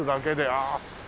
ああ！